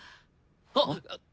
あっ。